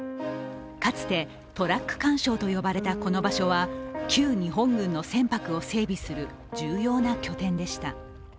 かつてトラック環礁と呼ばれたこの場所は、旧日本軍の船舶を整備する重要な拠点でした。